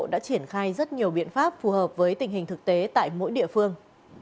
đã triển khai rất nhiều biện pháp phù hợp với tình hình thực tế tại mỗi địa phương